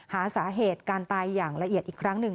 หาสาเหตุการตายอย่างละเอียดอีกครั้งหนึ่ง